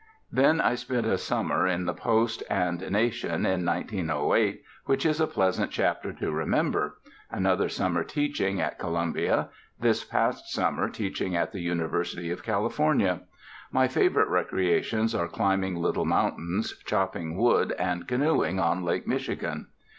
"Then I spent a summer in the Post and Nation in 1908, which is a pleasant chapter to remember; another summer teaching at Columbia; this past summer teaching at the University of California. My favorite recreations are climbing little mountains, chopping wood, and canoeing on Lake Michigan.